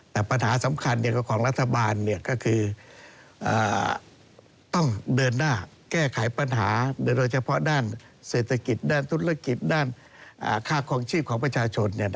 แต่ปัญหาสำคัญของรัฐบาลก็คือต้องเดินหน้าแก้ไขปัญหาโดยเฉพาะด้านเศรษฐกิจด้านธุรกิจด้านค่าคลองชีพของประชาชน